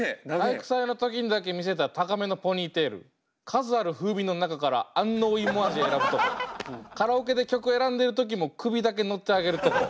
「体育祭のときにだけ見せた高めのポニーテール数ある風味の中から安納芋味選ぶとこカラオケで曲選んでる時も首だけノッてあげるとこ